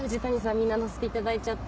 みんな乗せていただいちゃって。